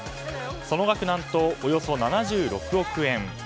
その額、何とおよそ７６億円。